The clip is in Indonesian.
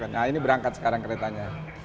nah ini berangkat sekarang keretanya